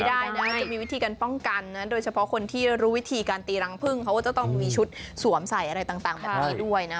ได้นะจะมีวิธีการป้องกันนะโดยเฉพาะคนที่รู้วิธีการตีรังพึ่งเขาก็จะต้องมีชุดสวมใส่อะไรต่างแบบนี้ด้วยนะ